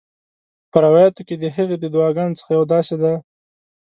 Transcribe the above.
په روایتونو کې د هغې د دعاګانو څخه یوه داسي ده: